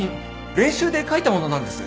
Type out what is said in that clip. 練習で書いたものなんです。